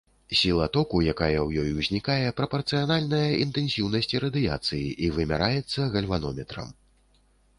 Сіла току, якая ў ёй узнікае, прапарцыянальная інтэнсіўнасці радыяцыі і вымяраецца гальванометрам.